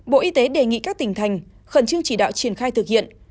bộ y tế đề nghị các tỉnh thành khẩn trương chỉ đạo triển khai thực hiện